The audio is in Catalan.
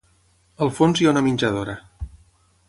Al fons hi ha una menjadora.